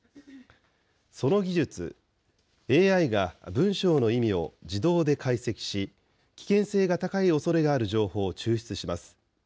その技術、ＡＩが文章の意味を自動で解析し、危険性が高いおそれがある情報を抽出します。